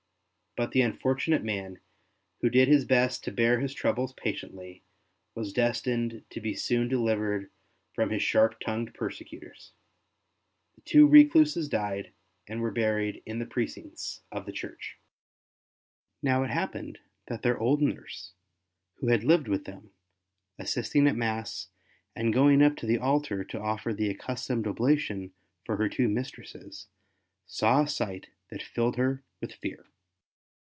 But the unfortunate man, who did his best to bear his troubles patiently, was destined to be soon delivered from his sharp tongued persecutors. The two recluses died, and were buried in the precincts of the church. Now it happened that their old nurse, who had lived with them, assisting at Mass and going up to the altar to offer the accustomed oblation for her two mistresses, saw a sight that filled her with fear.